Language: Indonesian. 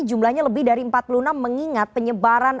jumlahnya lebih dari empat puluh enam mengingat penyebaran